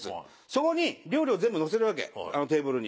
そこに料理を全部のせるわけあのテーブルに。